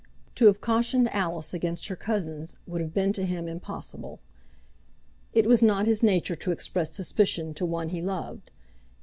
To have cautioned Alice against her cousins would have been to him impossible. It was not his nature to express suspicion to one he loved.